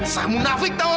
saya munafik tahu